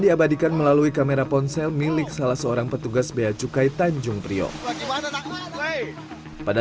diabadikan melalui kamera ponsel milik salah seorang petugas beacukai tanjung priok bagaimana pada